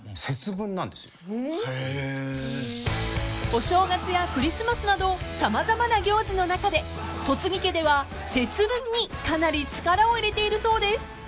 ［お正月やクリスマスなど様々な行事の中で戸次家では節分にかなり力を入れているそうです］